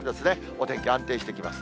お天気安定してきます。